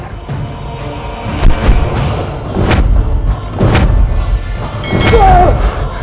kanda prabu tidak menyadari kebohonganku